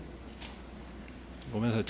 ごめんなさい。